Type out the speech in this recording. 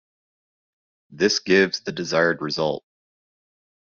This gives the desired result.